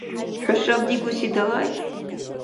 ХӀушаб дигуси далай?